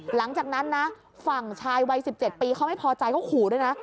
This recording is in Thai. หลังจากนั้นนะฝั่งชายวัย๑๗ปีเขาไม่พอใจเขาขู่ด้วยนะ